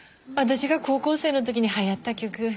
私が高校生の時に流行った曲。